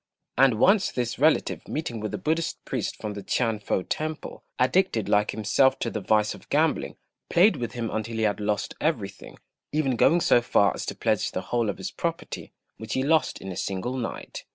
And once this relative, meeting with a Buddhist priest from the T'ien fo temple, addicted like himself to the vice of gambling, played with him until he had lost everything, even going so far as to pledge the whole of his property, which he lost in a single night.